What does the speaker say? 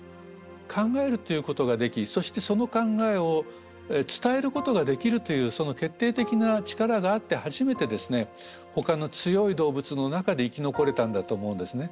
考えるということができそしてその考えを伝えることができるというその決定的な力があって初めてですねほかの強い動物の中で生き残れたんだと思うんですね。